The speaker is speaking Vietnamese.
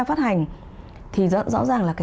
phát hành thì rõ ràng là